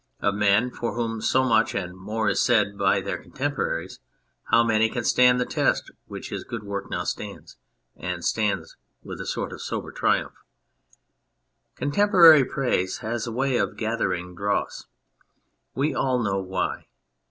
Of men for whom so much and more is said by their contemporaries, how many can stand the test which his good work now stands, and stands with a sort of sober triumph ? Contem porary praise has a way of gathering dross. We all know why.